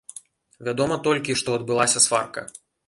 Вядома толькі, што адбылася сварка.